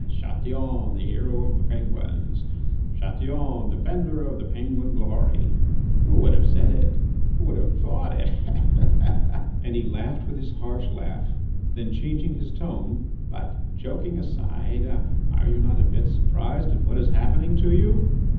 ... Chatillon, the hero of the Penguins! Chatillon, defender of the Penguin glory! ... Who would have said it? Who would have thought it?" And he laughed with his harsh laugh. Then changing his tone: "But, joking aside, are you not a bit surprised at what is happening to you?"